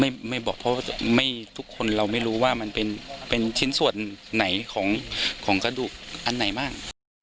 ไม่บอกเพราะว่าทุกคนเราไม่รู้ว่ามันเป็นชิ้นส่วนไหนของกระดูกอันไหนบ้าง